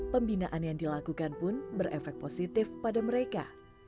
pembinaan yang dilakukan pun berefek positif pada mereka